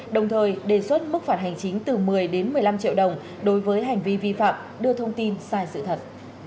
đồng thời đề xuất mức phạt hành chính từ một mươi đến một mươi năm triệu đồng đối với hành vi vi phạm đưa thông tin sai sự thật